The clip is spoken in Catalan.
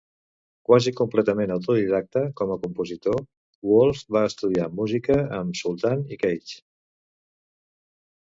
Quasi completament autodidacta com a compositor, Wolff va estudiar música amb Sultan i Cage.